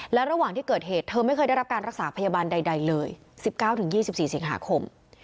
และระหว่างที่เกิดเหตุเธอไม่เคยได้รับการรักษาพยาบาลใดเลย๑๙๒๔สิงหาคม